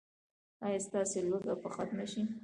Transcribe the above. ایا ستاسو لوږه به ختمه شي؟